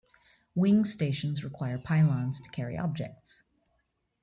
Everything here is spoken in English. Wing stations require pylons to carry objects.